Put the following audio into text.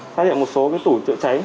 xác định một số cái tủ chữa cháy